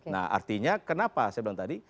nah artinya kenapa saya bilang tadi